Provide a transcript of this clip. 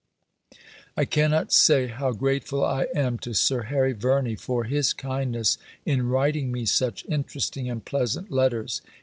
I cannot say how grateful I am to Sir Harry Verney for his kindness in writing me such interesting and pleasant letters.